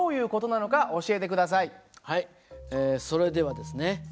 それではですね